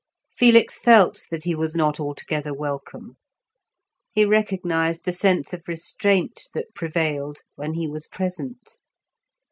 Felix felt that he was not altogether welcome; he recognised the sense of restraint that prevailed when he was present.